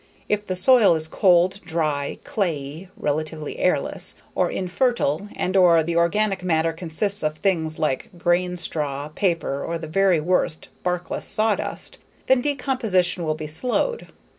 If the soil is cold, dry, clayey (relatively airless) or infertile and/or the organic matter consists of things like grain straw, paper, or the very worst, barkless sawdust, then decomposition will be slowed.